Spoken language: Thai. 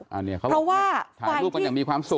เพราะว่าถ่ายรูปกันอย่างมีความสุข